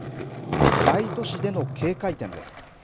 大都市での警戒点です。